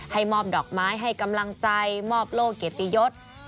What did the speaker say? มอบดอกไม้ให้กำลังใจมอบโลกเกียรติยศ